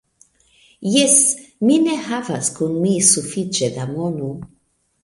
Jes; mi ne havas kun mi sufiĉe da mono.